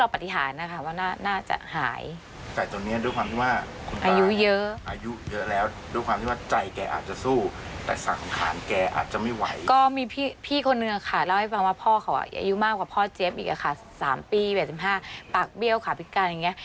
๓ปี๘๕ปากเบี้ยวขาวพิการอย่างนี้